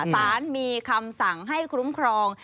สารมีคำสั่งให้คุ้มครอง